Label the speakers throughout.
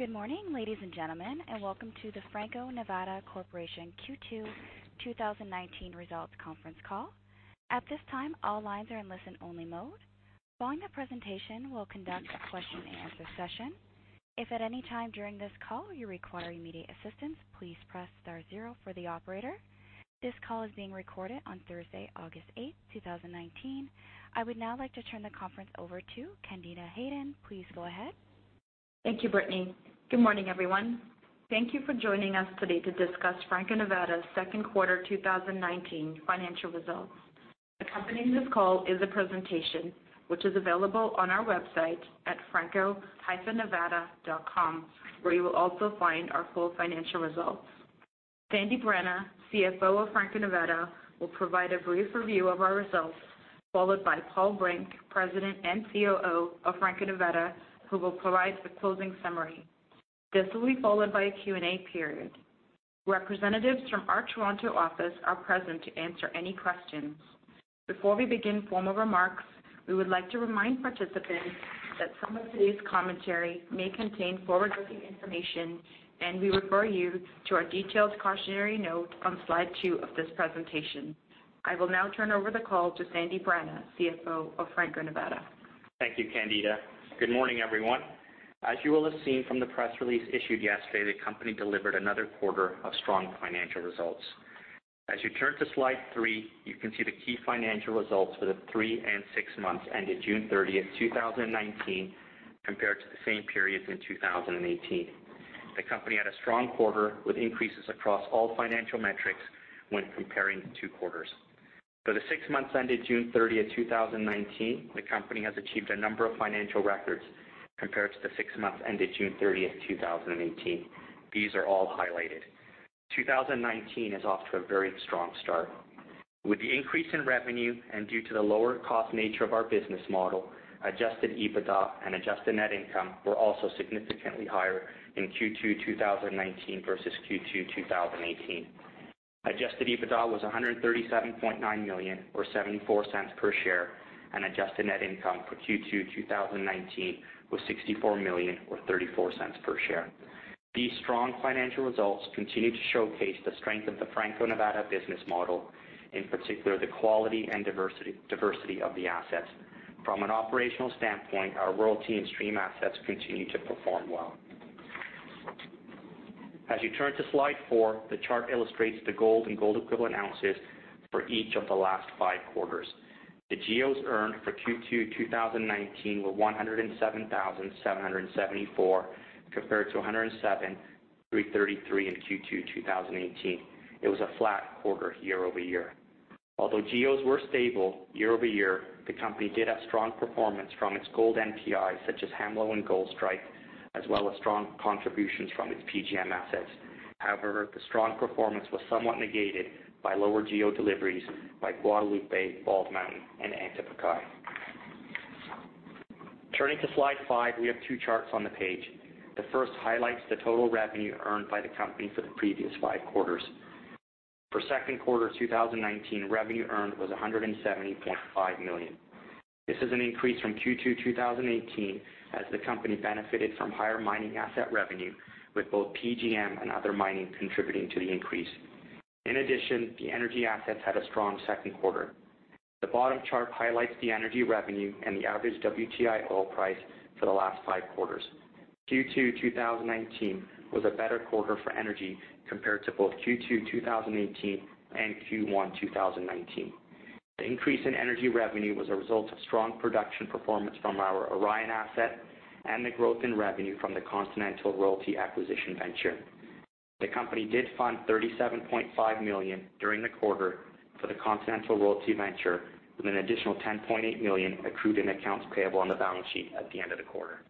Speaker 1: Good morning, ladies and gentlemen, and welcome to the Franco-Nevada Corporation Q2 2019 results conference call. At this time, all lines are in listen-only mode. Following the presentation, we'll conduct a question and answer session. If at any time during this call you require immediate assistance, please press star zero for the operator. This call is being recorded on Thursday, August 8th, 2019. I would now like to turn the conference over to Candida Hayden. Please go ahead.
Speaker 2: Thank you, Brittany. Good morning, everyone. Thank you for joining us today to discuss Franco-Nevada's second quarter 2019 financial results. Accompanying this call is a presentation which is available on our website at franco-nevada.com, where you will also find our full financial results. Sandeep Rana, CFO of Franco-Nevada, will provide a brief review of our results, followed by Paul Brink, President and COO of Franco-Nevada, who will provide the closing summary. This will be followed by a Q&A period. Representatives from our Toronto office are present to answer any questions. Before we begin formal remarks, we would like to remind participants that some of today's commentary may contain forward-looking information, and we refer you to our detailed cautionary note on slide two of this presentation. I will now turn over the call to Sandeep Rana, CFO of Franco-Nevada.
Speaker 3: Thank you, Candida. Good morning, everyone. As you will have seen from the press release issued yesterday, the company delivered another quarter of strong financial results. You turn to slide three, you can see the key financial results for the three and six months ended June 30, 2019, compared to the same periods in 2018. The company had a strong quarter with increases across all financial metrics when comparing the two quarters. For the six months ended June 30, 2019, the company has achieved a number of financial records compared to the six months ended June 30, 2018. These are all highlighted. 2019 is off to a very strong start. With the increase in revenue and due to the lower cost nature of our business model, adjusted EBITDA and adjusted net income were also significantly higher in Q2 2019 versus Q2 2018. Adjusted EBITDA was $137.9 million, or $0.74 per share, and adjusted net income for Q2 2019 was $64 million, or $0.34 per share. These strong financial results continue to showcase the strength of the Franco-Nevada business model, in particular, the quality and diversity of the assets. From an operational standpoint, our royalty and stream assets continue to perform well. As you turn to slide four, the chart illustrates the gold and gold equivalent ounces for each of the last five quarters. The GEOs earned for Q2 2019 were 107,774, compared to 107,333 in Q2 2018. It was a flat quarter year-over-year. Although GEOs were stable year-over-year, the company did have strong performance from its gold NPIs, such as Hemlo and Goldstrike, as well as strong contributions from its PGM assets. The strong performance was somewhat negated by lower GEO deliveries by Guadalupe, Bald Mountain, and Antapaccay. Turning to slide five, we have two charts on the page. The first highlights the total revenue earned by the company for the previous five quarters. For second quarter 2019, revenue earned was $170.5 million. This is an increase from Q2 2018 as the company benefited from higher mining asset revenue, with both PGM and other mining contributing to the increase. In addition, the energy assets had a strong second quarter. The bottom chart highlights the energy revenue and the average WTI oil price for the last five quarters. Q2 2019 was a better quarter for energy compared to both Q2 2018 and Q1 2019. The increase in energy revenue was a result of strong production performance from our Orion asset and the growth in revenue from the Continental Resources acquisition venture. The company did fund $37.5 million during the quarter for the Continental Resources venture, with an additional $10.8 million accrued in accounts payable on the balance sheet at the end of the quarter.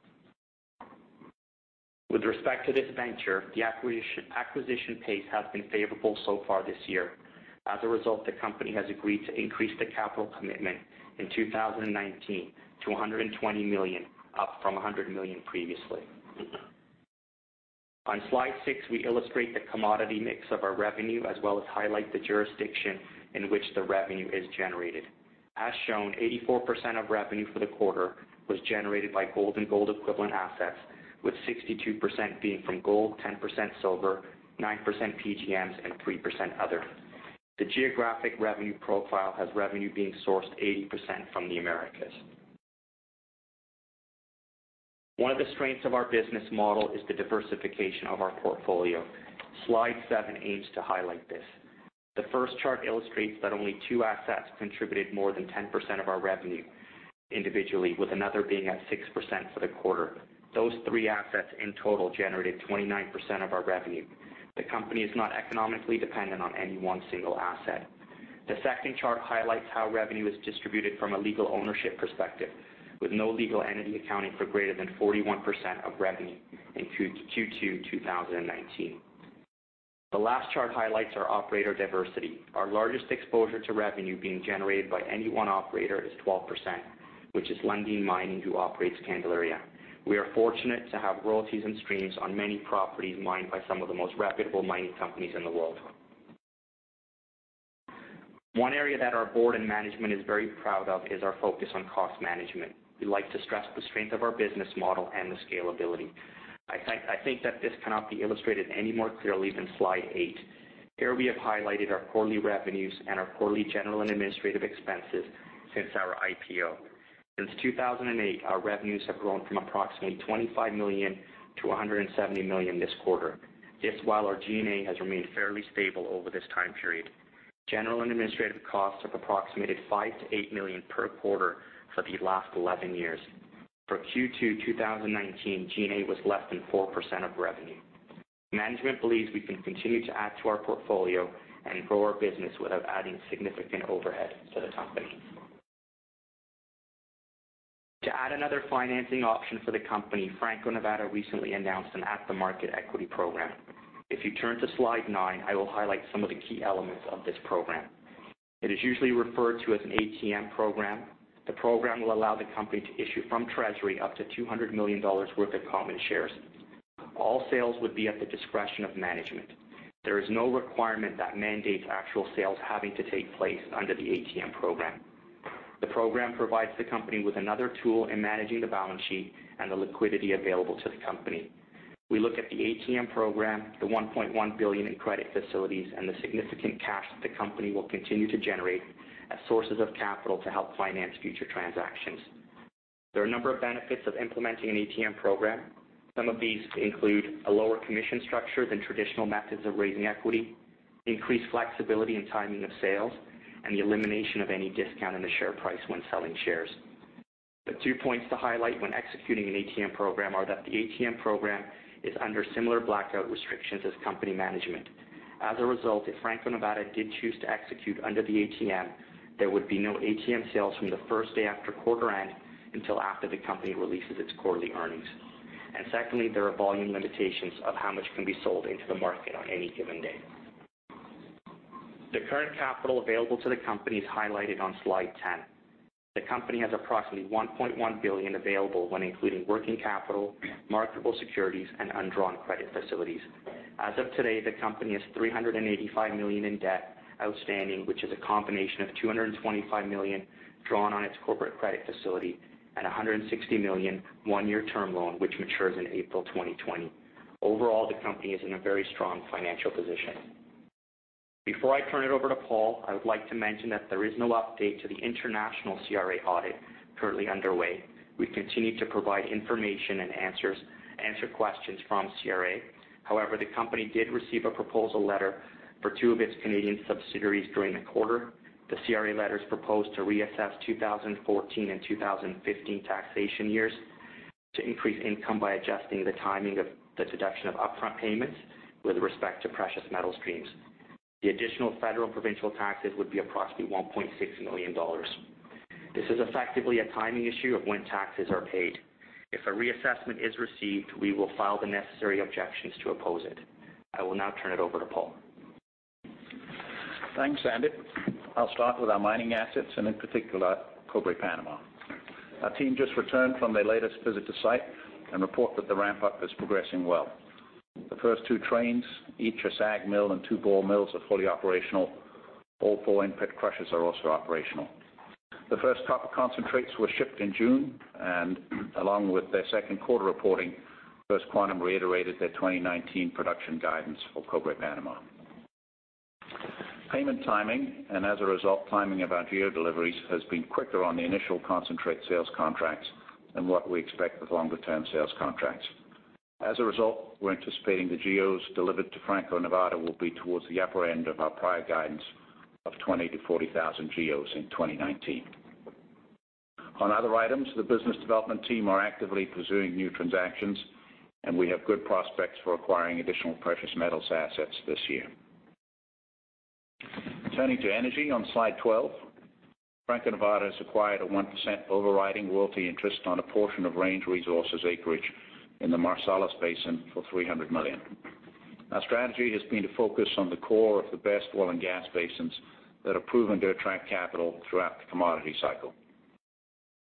Speaker 3: With respect to this venture, the acquisition pace has been favorable so far this year. As a result, the company has agreed to increase the capital commitment in 2019 to $120 million, up from $100 million previously. On slide six, we illustrate the commodity mix of our revenue, as well as highlight the jurisdiction in which the revenue is generated. As shown, 84% of revenue for the quarter was generated by gold and gold equivalent assets, with 62% being from gold, 10% silver, 9% PGMs, and 3% other. The geographic revenue profile has revenue being sourced 80% from the Americas. One of the strengths of our business model is the diversification of our portfolio. Slide seven aims to highlight this. The first chart illustrates that only two assets contributed more than 10% of our revenue individually, with another being at 6% for the quarter. Those three assets in total generated 29% of our revenue. The company is not economically dependent on any one single asset. The second chart highlights how revenue is distributed from a legal ownership perspective, with no legal entity accounting for greater than 41% of revenue in Q2 2019. The last chart highlights our operator diversity. Our largest exposure to revenue being generated by any one operator is 12%, which is Lundin Mining, who operates Candelaria. We are fortunate to have royalties and streams on many properties mined by some of the most reputable mining companies in the world. One area that our board and management is very proud of is our focus on cost management. We like to stress the strength of our business model and the scalability. I think that this cannot be illustrated any more clearly than slide eight. Here we have highlighted our quarterly revenues and our quarterly general and administrative expenses since our IPO. Since 2008, our revenues have grown from approximately $25 million to $170 million this quarter. This while our G&A has remained fairly stable over this time period. General and administrative costs of approximated $5 million-$8 million per quarter for the last 11 years. For Q2 2019, G&A was less than 4% of revenue. Management believes we can continue to add to our portfolio and grow our business without adding significant overhead to the top line. To add another financing option for the company, Franco-Nevada recently announced an at-the-market equity program. If you turn to slide nine, I will highlight some of the key elements of this program. It is usually referred to as an ATM program. The program will allow the company to issue from treasury up to $200 million worth of common shares. All sales would be at the discretion of management. There is no requirement that mandates actual sales having to take place under the ATM program. The program provides the company with another tool in managing the balance sheet and the liquidity available to the company. We look at the ATM program, the $1.1 billion in credit facilities, and the significant cash that the company will continue to generate as sources of capital to help finance future transactions. There are a number of benefits of implementing an ATM program. Some of these include a lower commission structure than traditional methods of raising equity, increased flexibility in timing of sales, and the elimination of any discount in the share price when selling shares. The two points to highlight when executing an ATM program are that the ATM program is under similar blackout restrictions as company management. As a result, if Franco-Nevada did choose to execute under the ATM, there would be no ATM sales from the first day after quarter end until after the company releases its quarterly earnings. Secondly, there are volume limitations of how much can be sold into the market on any given day. The current capital available to the company is highlighted on slide 10. The company has approximately $1.1 billion available when including working capital, marketable securities and undrawn credit facilities. As of today, the company has 385 million in debt outstanding, which is a combination of 225 million drawn on its corporate credit facility at 160 million one year term loan, which matures in April 2020. Overall, the company is in a very strong financial position. Before I turn it over to Paul, I would like to mention that there is no update to the international CRA audit currently underway. We've continued to provide information and answer questions from CRA. However, the company did receive a proposal letter for two of its Canadian subsidiaries during the quarter. The CRA letters proposed to reassess 2014 and 2015 taxation years to increase income by adjusting the timing of the deduction of upfront payments with respect to precious metal streams. The additional federal provincial taxes would be approximately 1.6 million dollars. This is effectively a timing issue of when taxes are paid. If a reassessment is received, we will file the necessary objections to oppose it. I will now turn it over to Paul.
Speaker 4: Thanks, Sandeep. I'll start with our mining assets and in particular, Cobre Panama. Our team just returned from their latest visit to site and report that the ramp up is progressing well. The first two trains, each a SAG mill and two ball mills, are fully operational. All four input crushers are also operational. The first copper concentrates were shipped in June, and along with their second quarter reporting, First Quantum reiterated their 2019 production guidance for Cobre Panama. Payment timing, and as a result, timing of our GEOs deliveries, has been quicker on the initial concentrate sales contracts than what we expect with longer term sales contracts. As a result, we're anticipating the GEOs delivered to Franco-Nevada will be towards the upper end of our prior guidance of 20,000 to 40,000 GEOs in 2019. On other items, the business development team are actively pursuing new transactions, and we have good prospects for acquiring additional precious metals assets this year. Turning to energy on slide 12, Franco-Nevada has acquired a 1% overriding royalty interest on a portion of Range Resources acreage in the Marcellus Basin for $300 million. Our strategy has been to focus on the core of the best oil and gas basins that have proven to attract capital throughout the commodity cycle.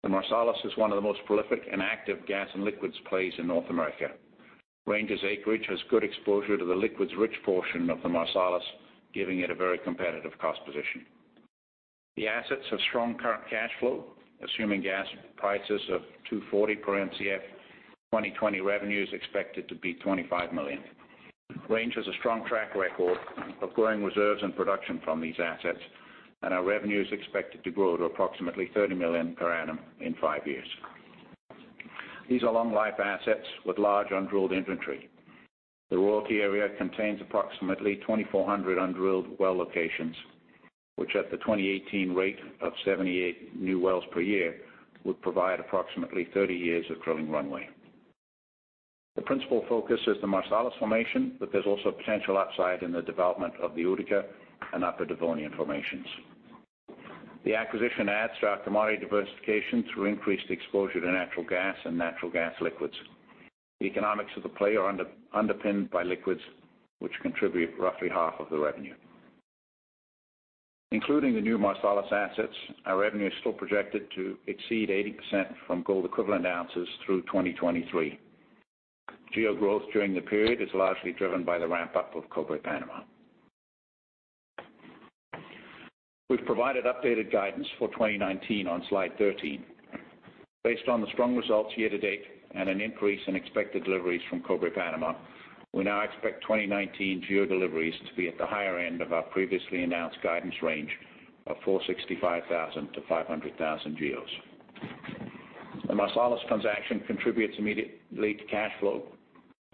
Speaker 4: The Marcellus is one of the most prolific and active gas and liquids plays in North America. Range's acreage has good exposure to the liquids rich portion of the Marcellus, giving it a very competitive cost position. The assets have strong current cash flow, assuming gas prices of $2.40 per Mcf, 2020 revenue is expected to be $25 million. Range has a strong track record of growing reserves and production from these assets, and our revenue is expected to grow to approximately $30 million per annum in five years. These are long life assets with large undrilled inventory. The royalty area contains approximately 2,400 undrilled well locations, which at the 2018 rate of 78 new wells per year, would provide approximately 30 years of drilling runway. The principal focus is the Marcellus formation, but there's also potential upside in the development of the Utica and Upper Devonian formations. The acquisition adds to our commodity diversification through increased exposure to natural gas and natural gas liquids. The economics of the play are underpinned by liquids which contribute roughly half of the revenue. Including the new Marcellus assets, our revenue is still projected to exceed 80% from Gold Equivalent Ounces through 2023. GEOs growth during the period is largely driven by the ramp-up of Cobre Panama. We've provided updated guidance for 2019 on slide 13. Based on the strong results year to date and an increase in expected deliveries from Cobre Panama, we now expect 2019 GEOs deliveries to be at the higher end of our previously announced guidance range of 465,000-500,000 GEOs. The Marcellus transaction contributes immediately to cash flow.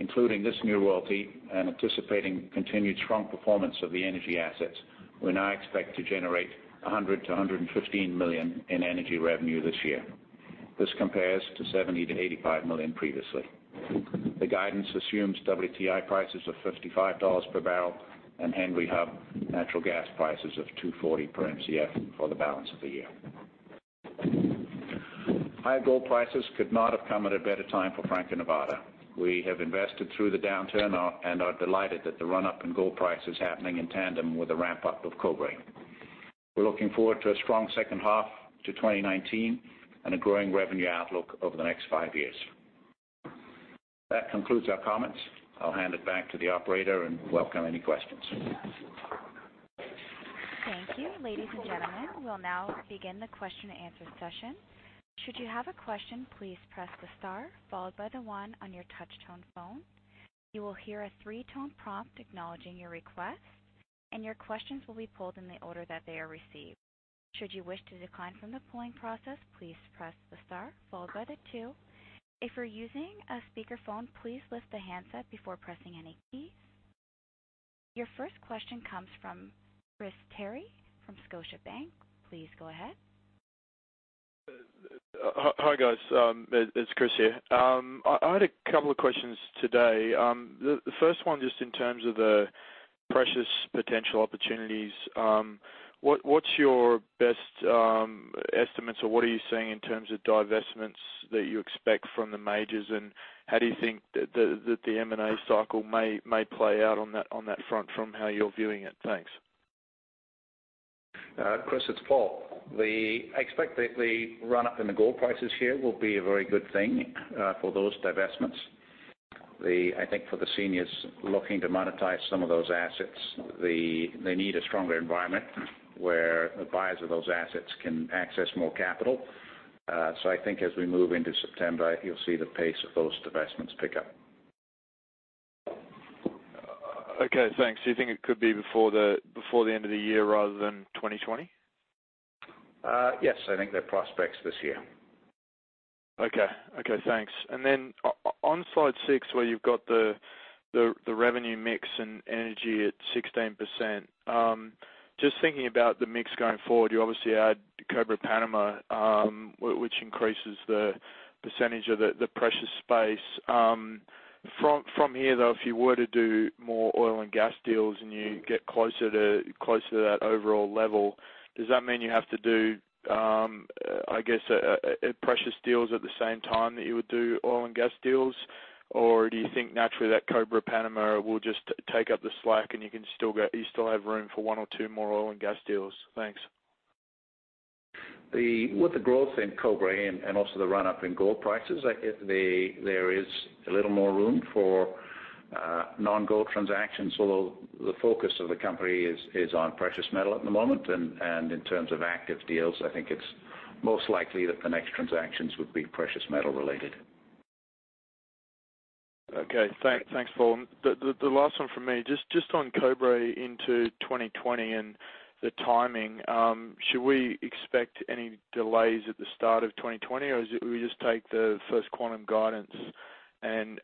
Speaker 4: Including this new royalty and anticipating continued strong performance of the energy assets, we now expect to generate $100 million-$115 million in energy revenue this year. This compares to $70 million-$85 million previously. The guidance assumes WTI prices of $55 per barrel and Henry Hub natural gas prices of $2.40 per Mcf for the balance of the year. High gold prices could not have come at a better time for Franco-Nevada. We have invested through the downturn and are delighted at the run-up in gold prices happening in tandem with the ramp-up of Cobre. We're looking forward to a strong second half to 2019 and a growing revenue outlook over the next five years. That concludes our comments. I'll hand it back to the operator and welcome any questions.
Speaker 1: Thank you. Ladies and gentlemen, we'll now begin the question and answer session. Should you have a question, please press the star followed by the one on your touchtone phone. You will hear a three-tone prompt acknowledging your request, and your questions will be pulled in the order that they are received. Should you wish to decline from the pulling process, please press the star followed by the two. If you're using a speakerphone, please lift the handset before pressing any keys. Your first question comes from Chris Terry from Scotiabank. Please go ahead.
Speaker 5: Hi, guys. It's Chris here. I had a couple of questions today. The first one just in terms of the precious potential opportunities. What's your best estimates, or what are you seeing in terms of divestments that you expect from the majors, and how do you think that the M&A cycle may play out on that front from how you're viewing it? Thanks.
Speaker 4: Chris, it's Paul. I expect that the run-up in the gold prices here will be a very good thing for those divestments. I think for the seniors looking to monetize some of those assets, they need a stronger environment where the buyers of those assets can access more capital. I think as we move into September, you'll see the pace of those divestments pick up.
Speaker 5: Okay, thanks. Do you think it could be before the end of the year rather than 2020?
Speaker 4: Yes, I think they're prospects this year.
Speaker 5: Okay, thanks. Then on slide six, where you've got the revenue mix and energy at 16%, just thinking about the mix going forward, you obviously add Cobre Panama, which increases the percentage of the precious space. From here, though, if you were to do more oil and gas deals and you get closer to that overall level, does that mean you have to do precious deals at the same time that you would do oil and gas deals, or do you think naturally that Cobre Panama will just take up the slack and you still have room for one or two more oil and gas deals? Thanks.
Speaker 4: With the growth in Cobre and also the run-up in gold prices, I think there is a little more room for non-gold transactions, although the focus of the company is on precious metal at the moment. In terms of active deals, I think it's most likely that the next transactions would be precious metal related.
Speaker 5: Okay. Thanks, Paul. The last one from me, just on Cobre into 2020 and the timing. Should we expect any delays at the start of 2020, or we just take the First Quantum guidance and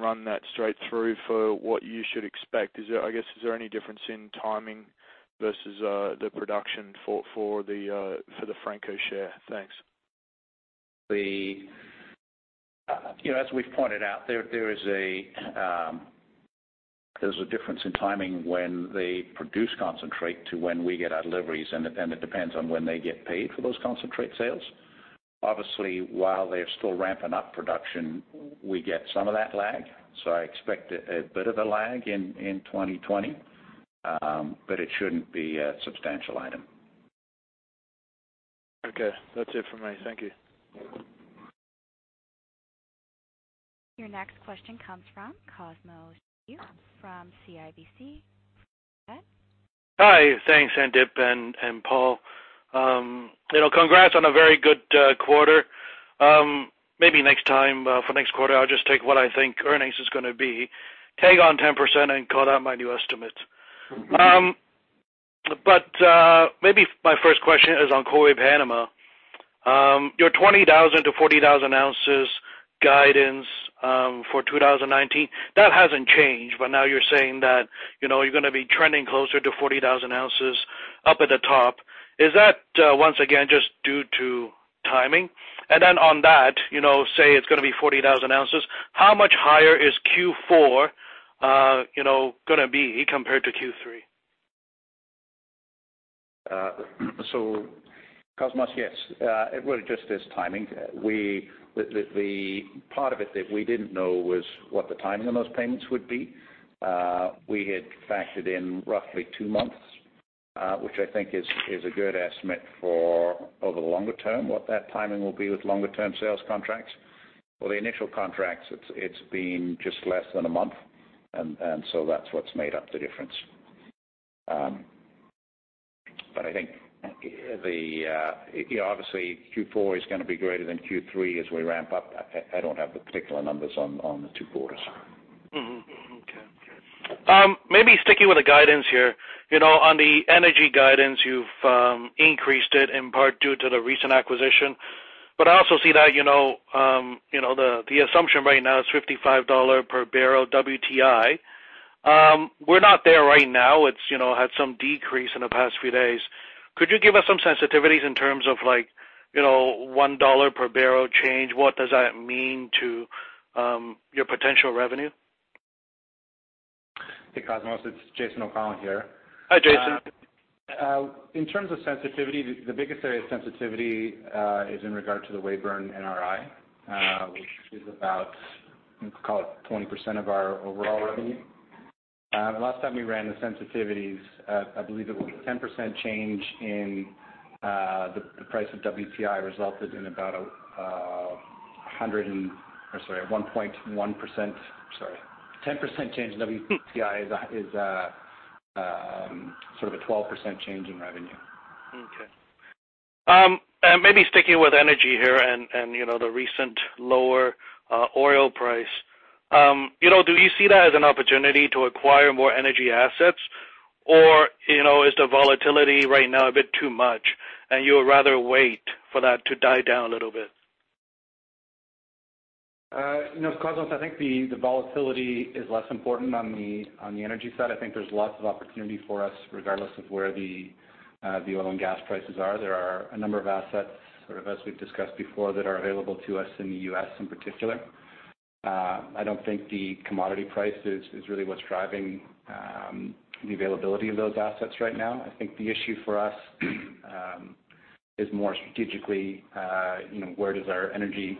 Speaker 5: run that straight through for what you should expect? I guess, is there any difference in timing versus the production for the Franco share? Thanks.
Speaker 4: As we've pointed out, there's a difference in timing when they produce concentrate to when we get our deliveries, and it depends on when they get paid for those concentrate sales. Obviously, while they're still ramping up production, we get some of that lag. I expect a bit of a lag in 2020, but it shouldn't be a substantial item.
Speaker 5: Okay. That's it for me. Thank you.
Speaker 1: Your next question comes from Cosmos Chiu from CIBC. Go ahead.
Speaker 6: Hi. Thanks, Sandeep and Paul. Congrats on a very good quarter. Maybe next time for next quarter, I'll just take what I think earnings is going to be, take on 10% and call that my new estimate. Maybe my first question is on Cobre Panama. Your 20,000 to 40,000 ounces guidance for 2019, that hasn't changed, but now you're saying that you're going to be trending closer to 40,000 ounces up at the top. Is that, once again, just due to timing? On that, say it's going to be 40,000 ounces, how much higher is Q4 going to be compared to Q3?
Speaker 4: Cosmos, yes. It really just is timing. The part of it that we didn't know was what the timing on those payments would be. We had factored in roughly two months, which I think is a good estimate for over the longer term, what that timing will be with longer-term sales contracts. For the initial contracts, it's been just less than a month, and so that's what's made up the difference. I think, obviously Q4 is going to be greater than Q3 as we ramp up. I don't have the particular numbers on the two quarters.
Speaker 6: Okay. Maybe sticking with the guidance here. On the energy guidance, you've increased it in part due to the recent acquisition, but I also see that the assumption right now is $55 per barrel WTI. We're not there right now, it's had some decrease in the past few days. Could you give us some sensitivities in terms of $1 per barrel change? What does that mean to your potential revenue?
Speaker 7: Hey, Cosmos, it's Jason O'Connell here.
Speaker 6: Hi, Jason.
Speaker 7: In terms of sensitivity, the biggest area of sensitivity is in regard to the Weyburn NRI, which is about, let's call it, 20% of our overall revenue. Last time we ran the sensitivities, I believe it was a 10% change in the price of WTI resulted in about a 1.1% Sorry, 10% change in WTI is sort of a 12% change in revenue.
Speaker 6: Okay. Maybe sticking with energy here and the recent lower oil price. Do you see that as an opportunity to acquire more energy assets? Or, is the volatility right now a bit too much, and you would rather wait for that to die down a little bit?
Speaker 7: No, Cosmos, I think the volatility is less important on the energy side. I think there's lots of opportunity for us, regardless of where the oil and gas prices are. There are a number of assets, sort of as we've discussed before, that are available to us in the U.S. in particular. I don't think the commodity price is really what's driving the availability of those assets right now. I think the issue for us is more strategically, where does our energy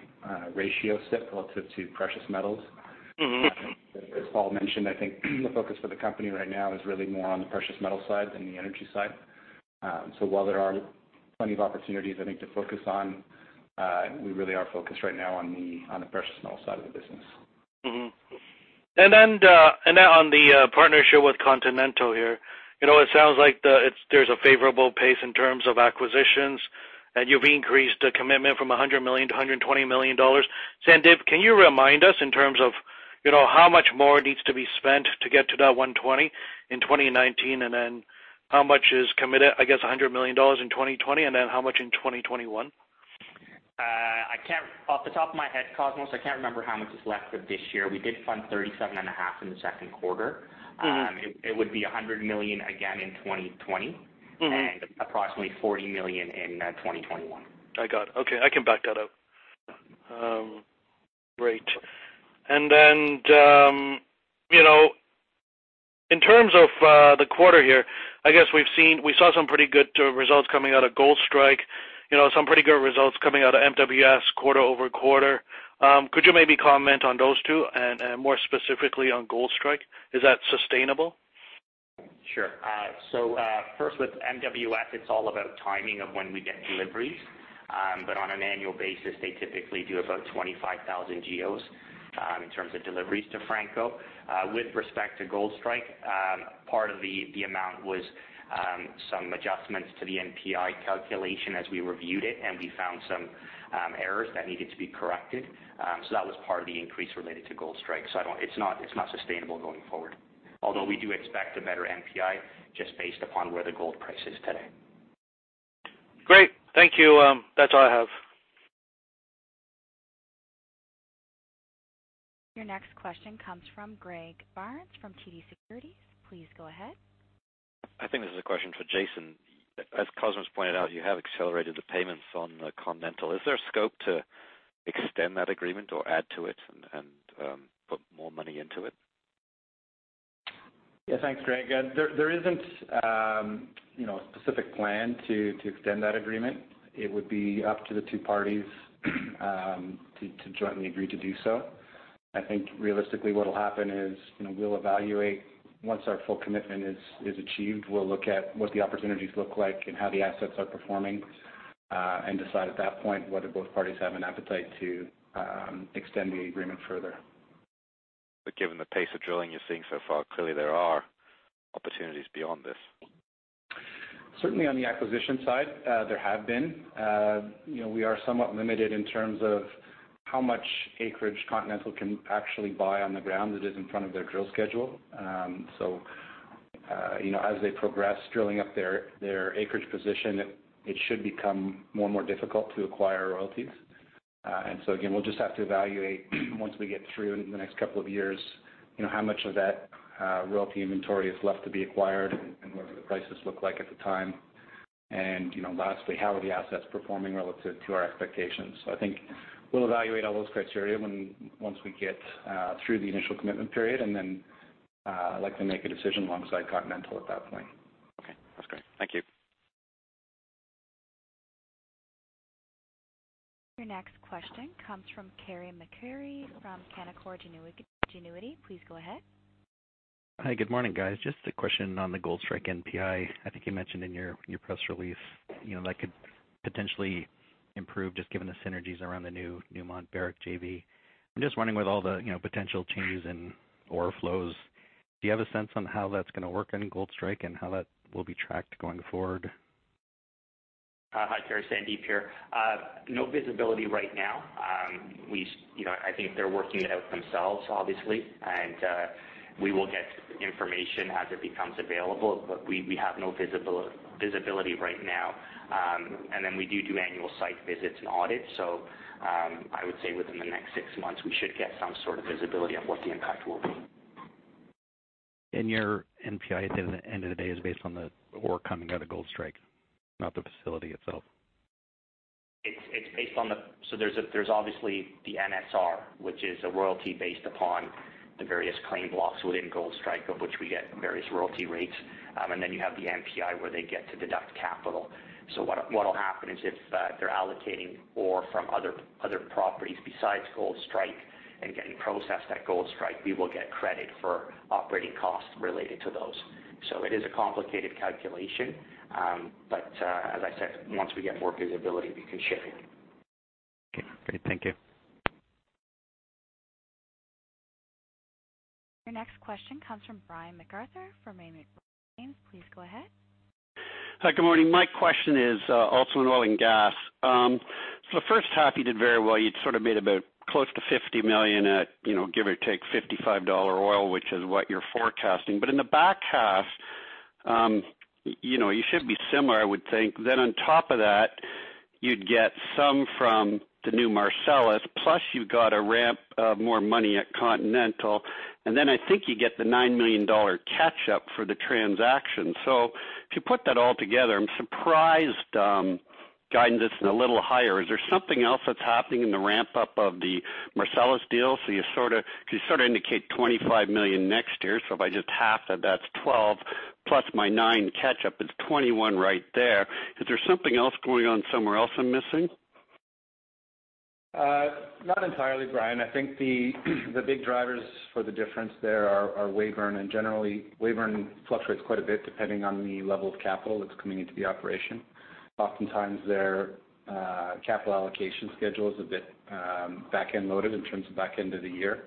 Speaker 7: ratio sit relative to precious metals? As Paul mentioned, I think the focus for the company right now is really more on the precious metal side than the energy side. While there are plenty of opportunities, I think, to focus on, we really are focused right now on the precious metal side of the business.
Speaker 6: On the partnership with Continental here. It sounds like there's a favorable pace in terms of acquisitions, and you've increased the commitment from $100 million to $120 million. Sandeep, can you remind us in terms of how much more needs to be spent to get to that $120 million in 2019? How much is committed, I guess $100 million in 2020, and then how much in 2021?
Speaker 3: Off the top of my head, Cosmos, I can't remember how much is left of this year. We did fund $37.5 in the second quarter. It would be $100 million again in 2020. Approximately $40 million in 2021.
Speaker 6: I got it. Okay, I can back that up. Great. Then in terms of the quarter here, I guess we saw some pretty good results coming out of Goldstrike, some pretty good results coming out of MWS quarter-over-quarter. Could you maybe comment on those two and more specifically on Goldstrike? Is that sustainable?
Speaker 3: Sure. First with MWS, it's all about timing of when we get deliveries. On an annual basis, they typically do about 25,000 GEOs in terms of deliveries to Franco. With respect to Goldstrike, part of the amount was some adjustments to the NPI calculation as we reviewed it, and we found some errors that needed to be corrected. That was part of the increase related to Goldstrike. It's not sustainable going forward, although we do expect a better NPI just based upon where the gold price is today.
Speaker 6: Great. Thank you. That's all I have.
Speaker 1: Your next question comes from Greg Barnes from TD Securities. Please go ahead.
Speaker 8: I think this is a question for Jason. As Cosmos pointed out, you have accelerated the payments on Continental. Is there a scope to extend that agreement or add to it and put more money into it?
Speaker 7: Yeah. Thanks, Greg. There isn't a specific plan to extend that agreement. It would be up to the two parties to jointly agree to do so. I think realistically what'll happen is, we'll evaluate once our full commitment is achieved. We'll look at what the opportunities look like and how the assets are performing, and decide at that point whether both parties have an appetite to extend the agreement further.
Speaker 8: Given the pace of drilling you're seeing so far, clearly there are opportunities beyond this.
Speaker 7: Certainly on the acquisition side, there have been. We are somewhat limited in terms of how much acreage Continental Resources can actually buy on the ground that is in front of their drill schedule. As they progress drilling up their acreage position, it should become more and more difficult to acquire royalties. Again, we'll just have to evaluate once we get through in the next couple of years, how much of that royalty inventory is left to be acquired and what do the prices look like at the time. Lastly, how are the assets performing relative to our expectations? I think we'll evaluate all those criteria once we get through the initial commitment period, and then likely make a decision alongside Continental Resources at that point.
Speaker 8: Okay. That's great. Thank you.
Speaker 1: Your next question comes from Carey McCurry from Canaccord Genuity. Please go ahead.
Speaker 9: Hi, good morning, guys. Just a question on the Goldstrike NPI. I think you mentioned in your press release that could potentially improve just given the synergies around the new Newmont-Barrick JV. I'm just wondering with all the potential changes in ore flows, do you have a sense on how that's going to work in Goldstrike and how that will be tracked going forward?
Speaker 3: Hi, Carey, Sandeep here. No visibility right now. I think they're working it out themselves, obviously. We will get information as it becomes available. We have no visibility right now. We do annual site visits and audits. I would say within the next six months, we should get some sort of visibility of what the impact will be.
Speaker 9: Your NPI, at the end of the day, is based on the ore coming out of Goldstrike, not the facility itself.
Speaker 3: There's obviously the NSR, which is a royalty based upon the various claim blocks within Goldstrike, of which we get various royalty rates. Then you have the NPI where they get to deduct capital. What will happen is if they're allocating ore from other properties besides Goldstrike and getting processed at Goldstrike, we will get credit for operating costs related to those. It is a complicated calculation, but as I said, once we get more visibility, we can share it.
Speaker 9: Okay, great. Thank you.
Speaker 1: Your next question comes from Brian MacArthur from Raymond James. Please go ahead.
Speaker 10: Hi, good morning. My question is also in oil and gas. The first half you did very well. You'd sort of made about close to 50 million at give or take 55 dollar oil, which is what you're forecasting. In the back half, you should be similar, I would think. On top of that, you'd get some from the new Marcellus, plus you've got a ramp of more money at Continental. I think you get the 9 million dollar catch up for the transaction. If you put that all together, I'm surprised guidance isn't a little higher. Is there something else that's happening in the ramp up of the Marcellus deal? You sort of indicate 25 million next year. If I just half that's 12, plus my nine catch up, it's 21 right there. Is there something else going on somewhere else I'm missing?
Speaker 7: Not entirely, Brian. I think the big drivers for the difference there are Weyburn, and generally Weyburn fluctuates quite a bit depending on the level of capital that's coming into the operation. Oftentimes, their capital allocation schedule is a bit back-end loaded in terms of back end of the year.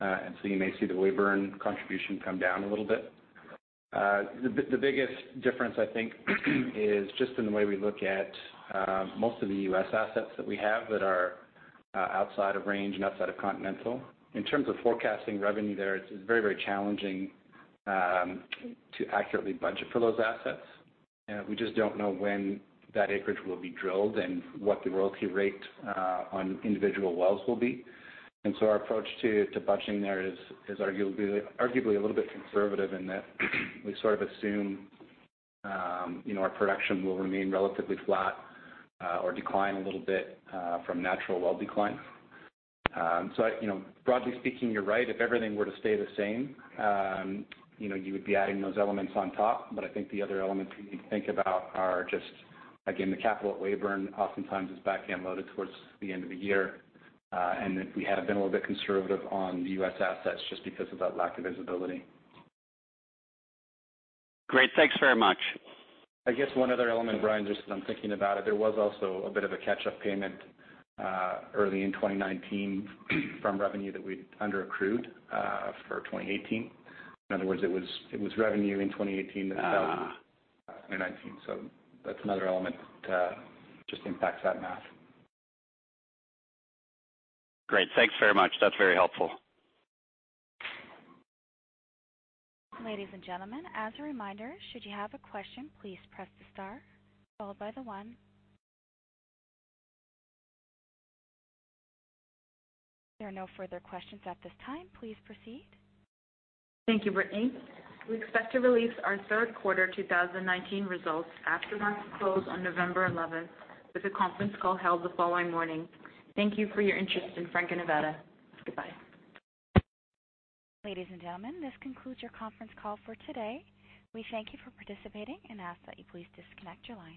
Speaker 7: You may see the Weyburn contribution come down a little bit. The biggest difference, I think, is just in the way we look at most of the U.S. assets that we have that are outside of Range and outside of Continental. In terms of forecasting revenue there, it's very challenging to accurately budget for those assets. We just don't know when that acreage will be drilled and what the royalty rate on individual wells will be. Our approach to budgeting there is arguably a little bit conservative in that we sort of assume our production will remain relatively flat or decline a little bit from natural well decline. Broadly speaking, you're right. If everything were to stay the same, you would be adding those elements on top. I think the other elements we need to think about are just, again, the capital at Weyburn oftentimes is back-end loaded towards the end of the year. We have been a little bit conservative on the U.S. assets just because of that lack of visibility.
Speaker 10: Great. Thanks very much.
Speaker 7: I guess one other element, Brian, just as I'm thinking about it, there was also a bit of a catch-up payment early in 2019 from revenue that we'd underaccrued for 2018. In other words, it was revenue in 2018 that was billed in 2019. That's another element that just impacts that math.
Speaker 10: Great. Thanks very much. That's very helpful.
Speaker 1: Ladies and gentlemen, as a reminder, should you have a question, please press the star followed by the one. There are no further questions at this time. Please proceed.
Speaker 3: Thank you, Brittany. We expect to release our third quarter 2019 results after markets close on November 11th, with a conference call held the following morning. Thank you for your interest in Franco-Nevada. Goodbye.
Speaker 1: Ladies and gentlemen, this concludes your conference call for today. We thank you for participating and ask that you please disconnect your lines.